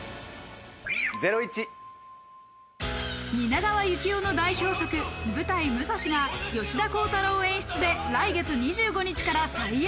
蜷川幸雄の代表作、舞台『ムサシ』が吉田鋼太郎演出で来月２５日から再演！